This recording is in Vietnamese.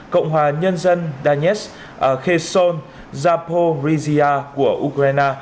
cộng hòa nhân dân danetsk kherson zaporizhia của ukraine